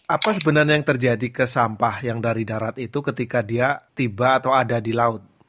apa sebenarnya yang terjadi ke sampah yang dari darat itu ketika dia tiba atau ada di laut